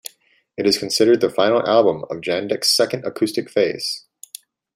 It is considered the final album of Jandek's "second acoustic phase".